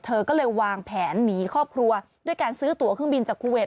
เธอก็เลยวางแผนหนีครอบครัวด้วยการซื้อตัวเครื่องบินจากคูเวท